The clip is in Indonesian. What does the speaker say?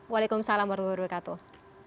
waalaikumsalam warahmatullahi wabarakatuh